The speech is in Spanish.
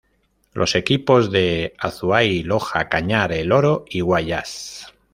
Los equipos de Azuay, Loja, Cañar, El Oro y Guayas.